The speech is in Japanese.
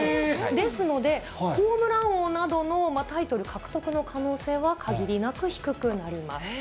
ですので、ホームラン王などのタイトル獲得の可能性は限りなく低くなります。